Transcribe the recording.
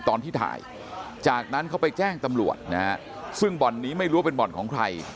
ตอนที่ถ่ายจากนั้นเขาไปแจ้งตำรวจนะฮะซึ่งบ่อนนี้ไม่รู้ว่าเป็นบ่อนของใคร